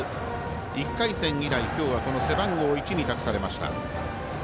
１回戦以来、今日は背番号１を託されました。